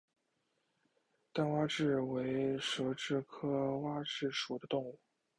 单蛙蛭为舌蛭科蛙蛭属的动物。